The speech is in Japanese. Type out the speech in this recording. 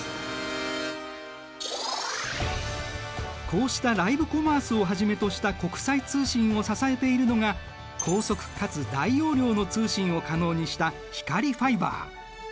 こうしたライブコマースをはじめとした国際通信を支えているのが高速かつ大容量の通信を可能にした光ファイバー。